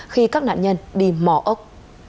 khi các nạn nhân đi mò ốc